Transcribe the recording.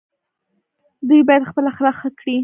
دوی باید خپل اخلاق ښه کړي.